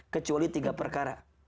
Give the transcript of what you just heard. kecuali tiga perkara